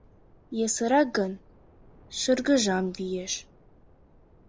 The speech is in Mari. Йӧсырак гын, шыргыжам виеш.